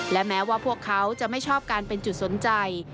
และแม้ว่าพวกเขาจะไม่ชอบการเป็นจุดสนใจ